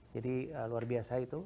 jadi luar biasa itu